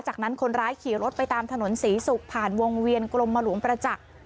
จากนั้นคนร้ายขี่รถไปตามถนนศรีศุกร์ผ่านวงเวียนกรมหลวงประจักษ์